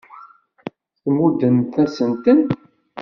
Tmuddem-asent-ten.